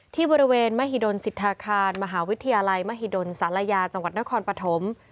ที่บริเวณมหิดลสิทธาคารมหาวิทยาลัยมหิดลศาลายาจังหวัดนครปฐม